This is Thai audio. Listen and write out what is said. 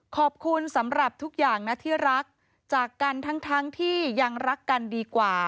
ขอบคุณสำหรับทุกอย่างนะที่รักจากกันทั้งที่ยังรักกันดีกว่า